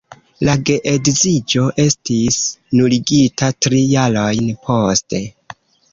La geedziĝo estis nuligita tri jarojn poste.